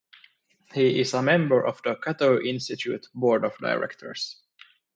He is a member of the Cato Institute Board of Directors.